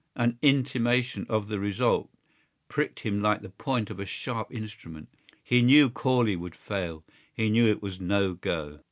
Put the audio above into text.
An intimation of the result pricked him like the point of a sharp instrument. He knew Corley would fail; he knew it was no go.